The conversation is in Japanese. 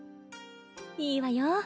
いいわよ。